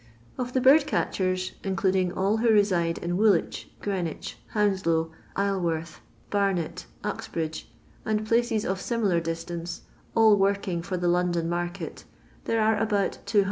Of the bird catchers, including all who roiido in Woolwich, Qreenwich, Hounalow, lalewortb, Bamet, Oxbridge, and places of similar distance, all working for the London market, thora ore about 200.